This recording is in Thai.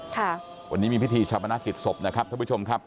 ค่ะวันนี้มีพิธีชาปนากิจศพนะครับท่านผู้ชมครับ